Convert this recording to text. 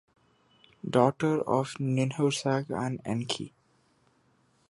Daughter of Ninhursag and Enki.